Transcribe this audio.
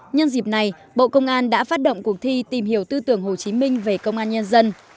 nhân dịp này bộ công an đã phát động cuộc thi tìm hiểu tư tưởng hồ chí minh về công an nhân dân